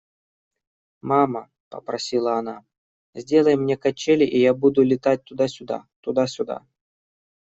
– Мама, – попросила она, – сделай мне качели, и я буду летать туда-сюда, туда-сюда.